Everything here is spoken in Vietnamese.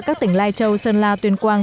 các tỉnh lai châu sơn la tuyên quang